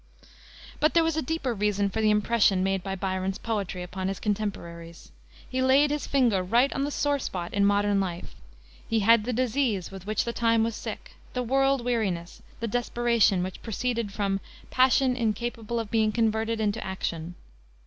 But there was a deeper reason for the impression made by Byron's poetry upon his contemporaries. He laid his finger right on the sore spot in modern life. He had the disease with which the time was sick, the world weariness, the desperation which proceeded from "passion incapable of being converted into action."